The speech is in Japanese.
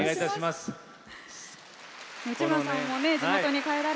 内村さんも地元に帰られて。